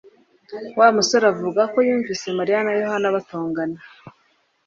Wa musore avuga ko yumvise Mariya na Yohana batongana